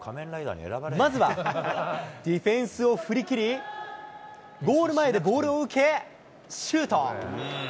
まずは、ディフェンスを振り切り、ゴール前でボールを受け、シュート。